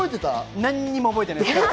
何にも覚えてないです。